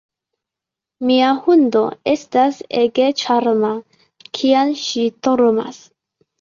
Mia hundo estas ege ĉarma, kiam ŝi dormas.